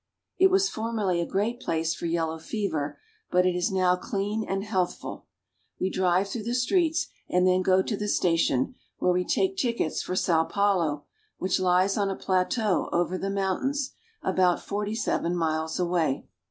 It was formerly a great place for yellow fever, but it is now clean and healthful. We drive through the streets and then go to the station, where we take tickets for Sao Paulo (soun pou'lo), which lies on a plateau over the mountains, about forty seven miles away.